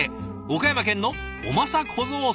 岡山県のおまさ小僧さんから。